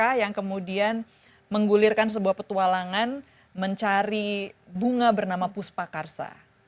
dan mereka yang kemudian menggulirkan sebuah petualangan mencari bunga bernama puspacarsa